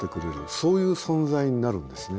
そういう存在になるんですね。